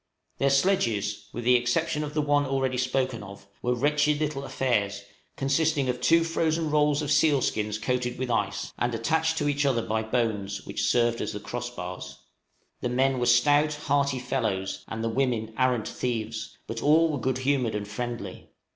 Their sledges, with the exception of the one already spoken of, were wretched little affairs, consisting of two frozen rolls of seal skins coated with ice, and attached to each other by bones, which served as the cross bars. The men were stout, hearty fellows, and the women arrant thieves, but all were good humored and friendly.